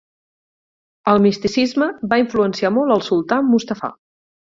El misticisme va influenciar molt el sultà Mustafà.